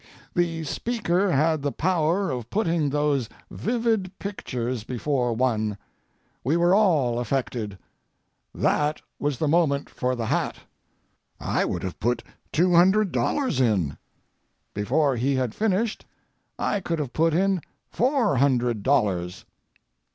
The speaker had the power of putting those vivid pictures before one. We were all affected. That was the moment for the hat. I would have put two hundred dollars in. Before he had finished I could have put in four hundred dollars.